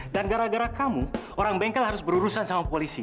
dan gara gara kamu orang bengkel harus berurusan sama polisi